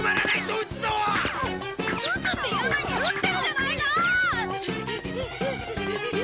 撃つって言う前に撃ってるじゃないか！